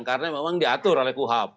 karena memang diatur oleh kuhap